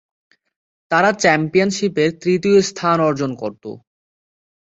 তারা চ্যাম্পিয়নশিপের তৃতীয় স্থান অর্জন করত।